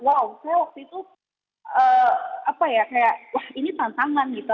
wow saya waktu itu kayak wah ini tantangan gitu